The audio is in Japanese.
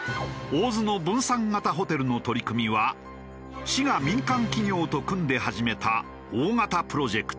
大洲の分散型ホテルの取り組みは市が民間企業と組んで始めた大型プロジェクト。